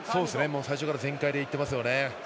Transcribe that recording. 最初から全開で行っていますよね。